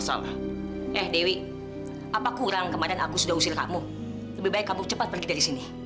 lagi dari bapak pokoknya saya mau keluar dari sini